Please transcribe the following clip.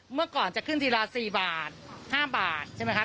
เมื่อก่อนจะขึ้นทีละ๔บาท๕บาทใช่ไหมครับ